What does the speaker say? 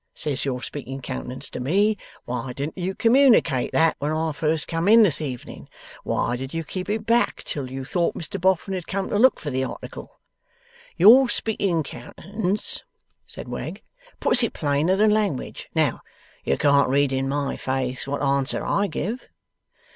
Says your speaking countenance to me: "Why didn't you communicate that, when I first come in this evening? Why did you keep it back till you thought Mr Boffin had come to look for the article?" Your speaking countenance,' said Wegg, 'puts it plainer than language. Now, you can't read in my face what answer I give?